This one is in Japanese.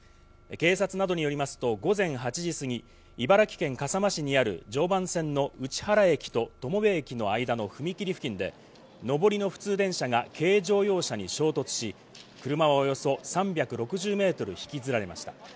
警察などによりますと午前８時過ぎ、茨城県笠間市にある常磐線の内原駅と友部駅の間の踏み切り付近で上りの普通電車が軽乗用車に衝突し、車はおよそ３６０メートル引きずられました。